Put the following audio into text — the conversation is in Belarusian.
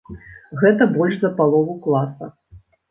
Гэта больш за палову класа.